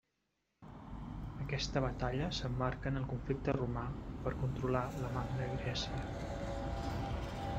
Aquesta batalla s'emmarca en el conflicte Romà, per controlar la Magna Grècia.